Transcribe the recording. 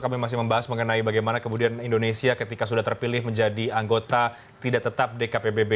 kami masih membahas mengenai bagaimana kemudian indonesia ketika sudah terpilih menjadi anggota tidak tetap dkpbb